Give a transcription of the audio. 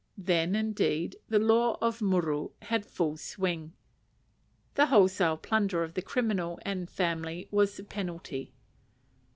Then, indeed, the law of muru had full swing, and the wholesale plunder of the criminal and family was the penalty.